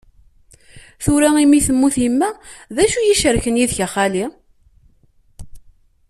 Tura mi temmut yemma, d acu i yi-icerken yid-k, a xali?